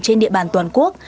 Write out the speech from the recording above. trên địa bàn toàn quốc